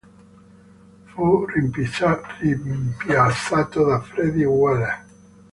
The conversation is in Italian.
Fu rimpiazzato da Freddy Weller.